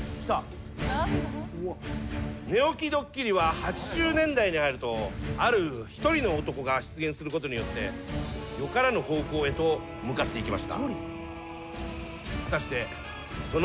寝起きドッキリは８０年代に入るとある一人の男が出現することによってよからぬ方向へと向かっていきました。